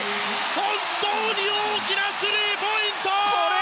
本当に大きなスリーポイント！